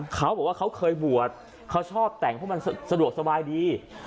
เขาบอกว่าเขาเคยบวชเขาชอบแต่งเพราะมันสะดวกสบายดี